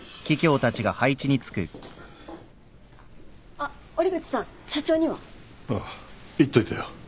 あっ折口さん社長には？ああ言っといたよ。